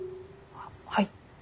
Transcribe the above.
はい。